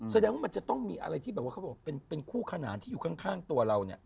แสดงว่ามันจะต้องมีอะไรที่แบบว่าเขาบอกเป็นคู่ขนานที่อยู่ข้างตัวเราเนี่ย